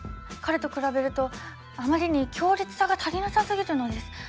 彼と比べるとあまりに強烈さが足りなさすぎるのです。